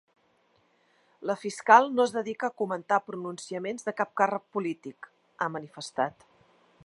La fiscal no es dedica a comentar pronunciaments de cap càrrec polític, ha manifestat.